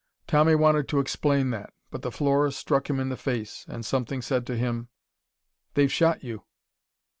Tommy wanted to explain that. But the floor struck him in the face, and something said to him: "They've shot you."